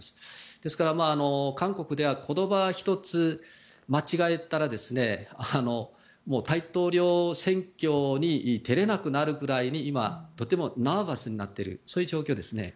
ですから、韓国では言葉１つ間違えたら大統領選挙に出られなくなるくらいにとてもナーバスになっているそういう状況です。